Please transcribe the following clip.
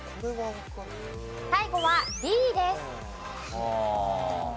最後はＤです。